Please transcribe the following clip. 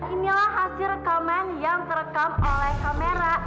inilah hasil rekaman yang terekam oleh kamera